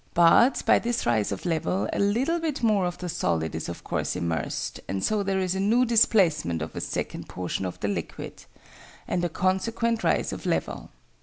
But, by this rise of level, a little bit more of the solid is of course immersed, and so there is a new displacement of a second portion of the liquid, and a consequent rise of level.